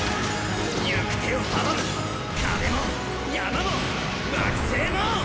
行く手を阻む壁も山も惑星も！